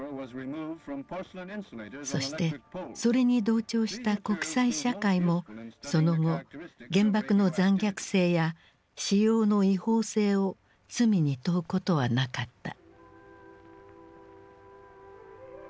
そしてそれに同調した国際社会もその後原爆の残虐性や使用の違法性を罪に問うことはなかった。